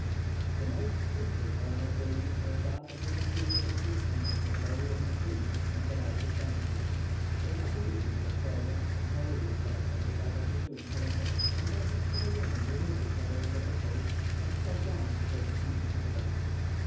The most simple form of belief was that of the continued existence of the soul in the tomb and about the cemetery. In Upper Egypt at present a hole is left at the top of the tomb chamber; and I have seen a woman remove the covering of the hole, and talk down to her deceased husband.